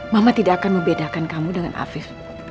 mama tidak akan membedakan kamu dengan afir